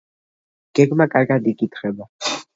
გეგმა კარგად იკითხება.